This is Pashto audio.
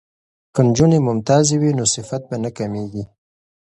که نجونې ممتازې وي نو صفت به نه کمیږي.